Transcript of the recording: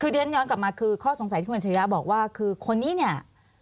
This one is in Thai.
คือเรียนย้อนกลับมาคือข้อสงสัยที่คุณอัชริยะบอกว่าคือคนนี้เนี่ย